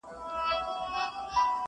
د عادل پاچا په نوم یې وو بللی؛